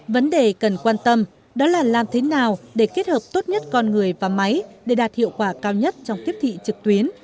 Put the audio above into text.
vấn đề cần quan tâm đó là làm thế nào để kết hợp tốt nhất con người và máy để đạt hiệu quả cao nhất trong tiếp thị trực tuyến